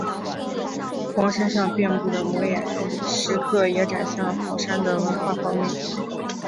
黄山上遍布的摩崖石刻也展现了黄山的文化方面。